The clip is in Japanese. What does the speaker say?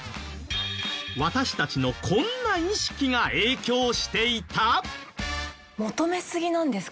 私たちのこんな意識が影響していた？